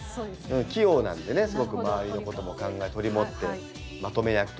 器用なんでねすごく周りのことも考え取り持ってまとめ役という感じで。